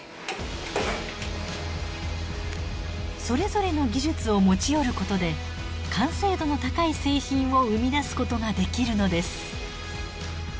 それぞれの技術を持ち寄ることで完成度の高い製品を生み出すことができるのです。